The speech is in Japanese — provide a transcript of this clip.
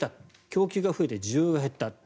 供給が増えて需要が減ったと。